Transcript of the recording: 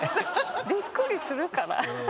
びっくりするからフフフ。